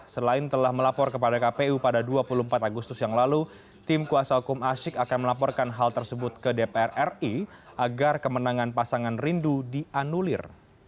selain telah melapor kepada kpu pada dua puluh empat agustus yang lalu tim kuasa hukum asyik akan melaporkan hal tersebut ke dpr ri agar kemenangan pasangan rindu dianulir